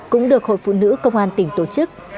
cũng được hội phụ nữ công an tỉnh tổ chức